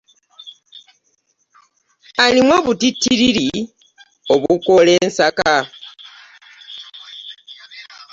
Alimu obutittiriri, obukola ensaka.